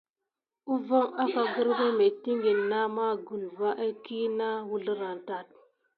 Fuŋ akà gərmà midikine nada ma gulfà iki pay na wuzlera tat.